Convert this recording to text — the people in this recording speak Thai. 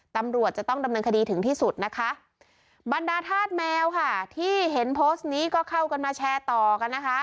ตำรวจจะต้องดำเนินคดีถึงที่สุดนะคะบรรดาธาตุแมวค่ะที่เห็นโพสต์นี้ก็เข้ากันมาแชร์ต่อกันนะคะ